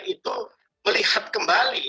itu melihat kembali